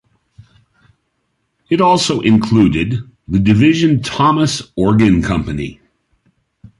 It also included the division Thomas Organ Company.